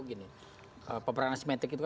gini peperangan asmetik itu